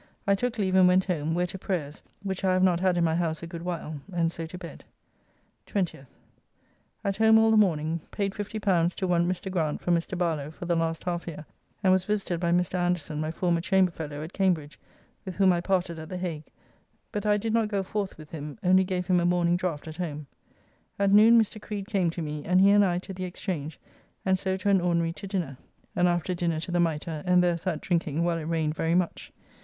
I took leave and went home, where to prayers (which I have not had in my house a good while), and so to bed. 20th. At home all the morning; paid L50 to one Mr. Grant for Mr. Barlow, for the last half year, and was visited by Mr. Anderson, my former chamber fellow at Cambridge, with whom I parted at the Hague, but I did not go forthwith him, only gave him a morning draft at home. At noon Mr. Creed came to me, and he and I to the Exchange, and so to an ordinary to dinner, and after dinner to the Mitre, and there sat drinking while it rained very much.